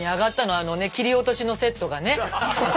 あの切り落としのセットがね。